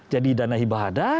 jadi dana hibah ada